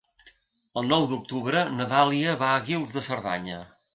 El nou d'octubre na Dàlia va a Guils de Cerdanya.